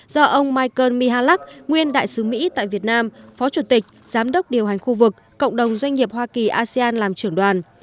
do ông michael mialak nguyên đại sứ mỹ tại việt nam phó chủ tịch giám đốc điều hành khu vực cộng đồng doanh nghiệp hoa kỳ asean làm trưởng đoàn